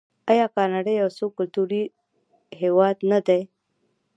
آیا کاناډا یو څو کلتوری هیواد نه دی؟